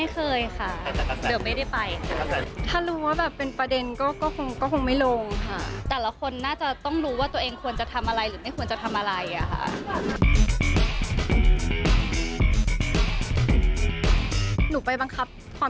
ความคิดใครไม่ได้อะค่ะ